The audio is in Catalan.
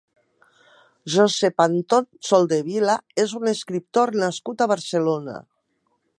Josep Anton Soldevila és un escriptor nascut a Barcelona.